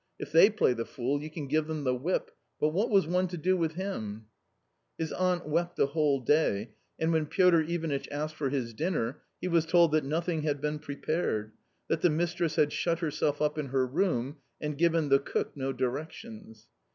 If they play the fool, you can give them the whip ; but what was one to do with him ?" His aunt wept the whole day, and when Piotr Ivanitch asked for his dinner, he was told that nothing had been prepared, that the mistress had shut herself up in her room and given the cook no directions.